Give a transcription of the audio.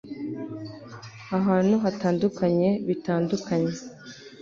ahantu hatandukanyebitandukanye